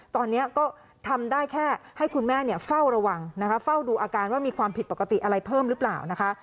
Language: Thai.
ตอนนี้ก็ทำได้แค่ให้คุณแม่เฝ้าระวังนะคะเฝ้าดูอาการว่ามีความผิดปกติอะไรเพิ่มหรือเปล่านะคะ